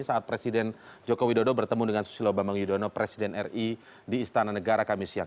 saat presiden joko widodo bertemu dengan susilo bambang yudhoyono presiden ri di istana negara kami siang